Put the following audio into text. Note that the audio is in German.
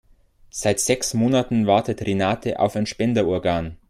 Seit sechs Monaten wartet Renate auf ein Spenderorgan.